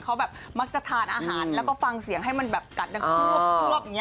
เขาแบบมักจะทานอาหารแล้วก็ฟังเสียงให้มันแบบกัดดังควบอย่างนี้